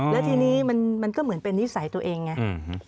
แล้วทีนี้มันก็เหมือนเป็นนิสัยตัวเองไง